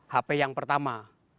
hp yang pertama